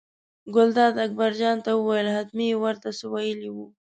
ګلداد اکبرجان ته وویل حتمي یې ور ته څه ویلي وو.